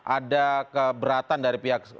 ada keberatan dari pihak